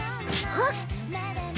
はっ！